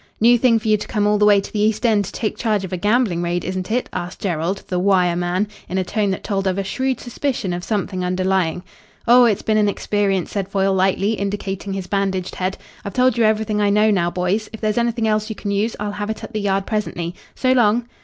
"New thing for you to come all the way to the East End to take charge of a gambling raid, isn't it?" asked Jerrold, the Wire man, in a tone that told of a shrewd suspicion of something underlying. "Oh, it's been an experience," said Foyle lightly, indicating his bandaged head. "I've told you everything I know now, boys. If there's anything else you can use, I'll have it at the Yard presently. So long."